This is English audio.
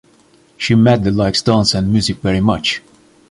She madly likes dance and music very much.